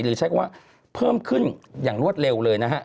ใช้คำว่าเพิ่มขึ้นอย่างรวดเร็วเลยนะฮะ